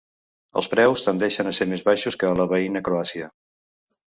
Els preus tendeixen a ser més baixos que a la veïna Croàcia.